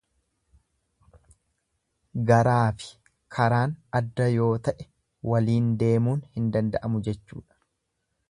Garaafi karaan adda yoo ta'e waliin deemuun hin danda'amu jechuudha.